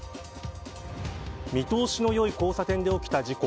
見通しの良い交差点で起きた事故。